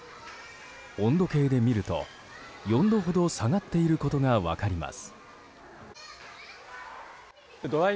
温度計で見ると、４度ほど下がっていることが分かります。